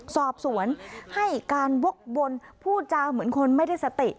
สอบสวนให้การวกวนพูดจาเหมือนคนไม่ได้สติ